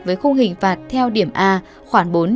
với khung hình phạt theo điểm a khoảng bốn